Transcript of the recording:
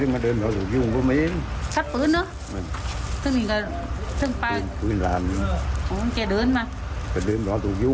มันมันไม่จ่าย